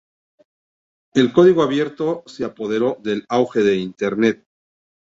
El código abierto se apoderó del auge de Internet.